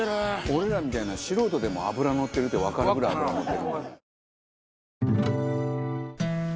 俺らみたいな素人でも脂のってるってわかるぐらい脂のってるもんね。